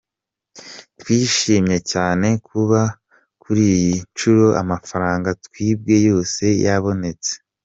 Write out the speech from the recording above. Twishimye cyane kuba kuri iyi nshuro amafaranga twibwe yose yabonetse.